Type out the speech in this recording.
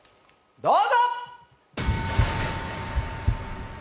どうぞ！